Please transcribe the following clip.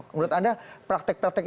menurut anda praktek praktek itu apa